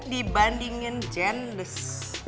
dibandingin jen bes